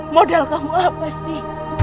modal kamu apa sih